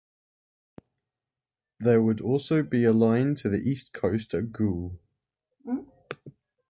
There would also be a line to the East Coast at Goole.